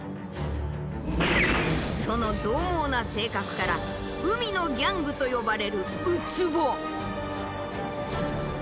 そのどう猛な性格から海のギャングと呼ばれるウツボ。